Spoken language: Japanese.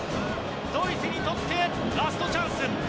ドイツにとってラストチャンス。